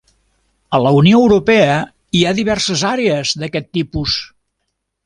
A la Unió Europea hi ha diverses àrees d'aquest tipus.